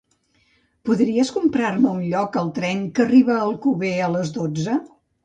Podries comprar-me un lloc al tren que arriba a Alcover a les dotze?